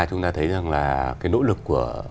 chúng ta thấy rằng là cái nỗ lực của